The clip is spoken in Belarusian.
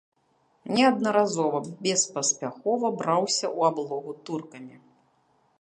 Неаднаразова беспаспяхова браўся ў аблогу туркамі.